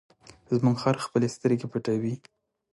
زموږ خر خپلې سترګې پټوي.